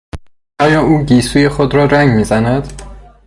آیا او گیسوی خود را رنگ میزند؟